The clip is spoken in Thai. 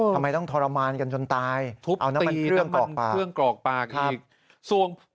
ทำไมต้องทรมานกันจนตายทุบตีน้ำมันเครื่องกรอกปากอีก